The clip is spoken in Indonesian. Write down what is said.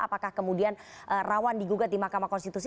apakah kemudian rawan digugat di mahkamah konstitusi